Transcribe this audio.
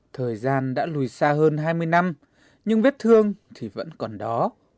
thời gian đã lùi xa hơn hai mươi năm nhưng vết thương thì vẫn còn đó